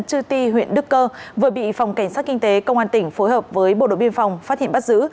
chư ti huyện đức cơ vừa bị phòng cảnh sát kinh tế công an tỉnh phối hợp với bộ đội biên phòng phát hiện bắt giữ